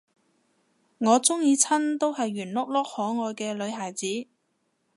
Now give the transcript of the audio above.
我鍾意親都係啲圓碌碌可愛嘅女孩子